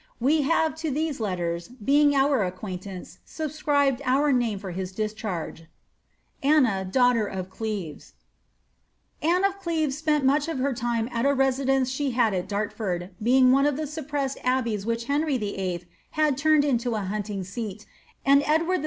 We have lo these letters, being our acquittance, subscribed our name for his discharge. Anne of Cleves spent much of her time at a residence she had it Dartford, being one of the suppressed abbeys which Henry VIII. had turned into a hunting seat, and Edward VI.